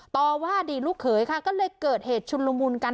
ต่อว่าอดีตลูกเขยค่ะก็เลยเกิดเหตุชุนละมุนกัน